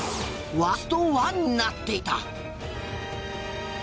ワーストワンになっていた。